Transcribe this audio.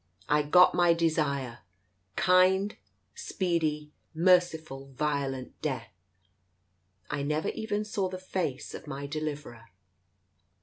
I got my desire— kind, speedy, merciful, violent death. I never even saw the face of my deliverer."